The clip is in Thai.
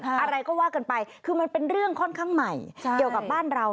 อะไรก็ว่ากันไปคือมันเป็นเรื่องค่อนข้างใหม่เกี่ยวกับบ้านเรา